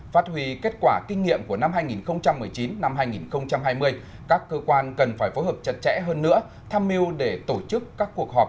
phát huy kết quả kinh nghiệm của năm hai nghìn một mươi chín hai nghìn hai mươi các cơ quan cần phải phối hợp chặt chẽ hơn nữa tham mưu để tổ chức các cuộc họp